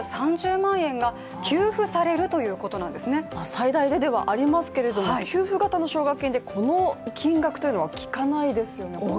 最大でではありますけれども給付型の奨学金でこの金額というのは聞かないですよね。